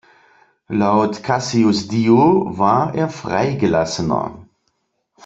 Laut Cassius Dio war er Freigelassener.